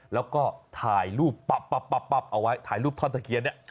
แล้วก็ถ่ายรูปเอาไว้ถ่ายรูปต้นตะเคียน